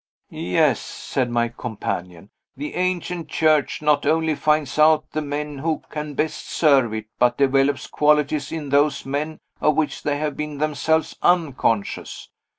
"Yes," said my companion, "the Ancient Church not only finds out the men who can best serve it, but develops qualities in those men of which they have been themselves unconscious.